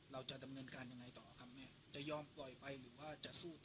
เราจะดำเนินการยังไงต่อครับแม่จะยอมปล่อยไปหรือว่าจะสู้ต่อ